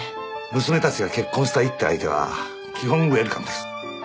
娘たちが結婚したいって相手は基本ウエルカムです。